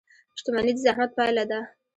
• شتمني د زحمت پایله ده.